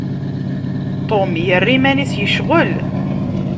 Tom yerra iman-is yecɣel.